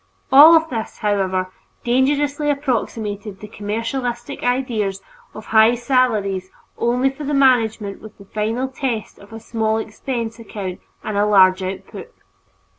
All this, however, dangerously approximated the commercialistic ideal of high salaries only for the management with the final test of a small expense account and a large output.